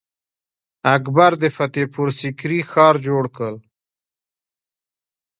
اکبر د فتح پور سیکري ښار جوړ کړ.